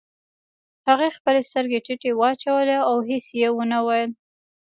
هغې خپلې سترګې ټيټې واچولې او هېڅ يې ونه ويل.